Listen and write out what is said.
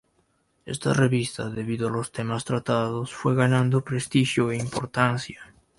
Esta revista, debido a los temas tratados, fue ganando prestigio e importancia.